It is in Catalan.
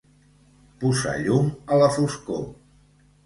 Posar llum a la foscor.